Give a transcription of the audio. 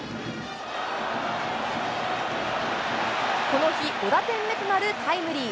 この日、５打点目となるタイムリー。